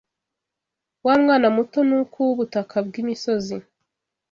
wa mwana muto Nuku wubutaka bwimisozi